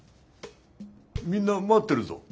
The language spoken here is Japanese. みんな待ってるぞ。